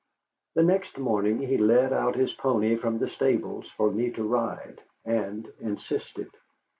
The next morning he led out his pony from the stables for me to ride, and insisted.